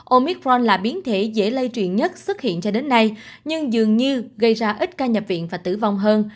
omitforn là biến thể dễ lây truyền nhất xuất hiện cho đến nay nhưng dường như gây ra ít ca nhập viện và tử vong hơn